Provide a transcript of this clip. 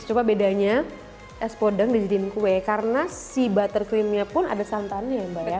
coba bedanya es podeng dijadiin kue karena si buttercreamnya pun ada santannya yang banyak